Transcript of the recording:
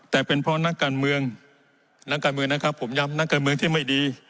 แต่เป็นเพราะนักการเมืองนักการเมืองนะครับผมย้ำนักการเมืองที่ไม่ดี